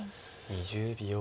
２０秒。